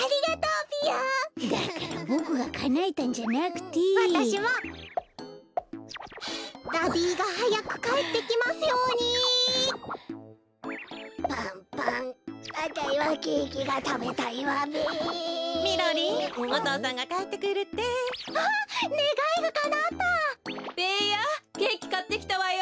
ベーヤケーキかってきたわよ。